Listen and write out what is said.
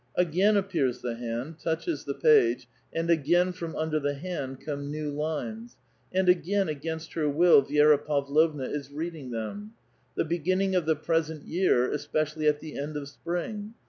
Again appears the hand, touches the page, and again from ???^^er the hand come new lines ; and again against her will *^* ^ra Pavlovna is reading them :—The beginning of the present year, especially at the end ♦w spring.